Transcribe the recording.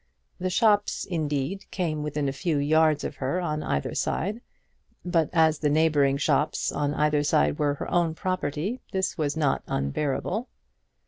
The shops, indeed, came within a very few yards of her on either side; but as the neighbouring shops on each side were her own property, this was not unbearable.